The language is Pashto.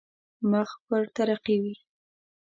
مخ پر ترقي وي.